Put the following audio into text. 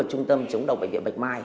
ở trung tâm chống đầu bệnh viện bạch mai